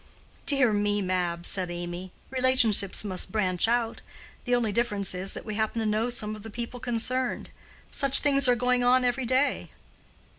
"Dear me, Mab," said Amy, "relationships must branch out. The only difference is, that we happen to know some of the people concerned. Such things are going on every day."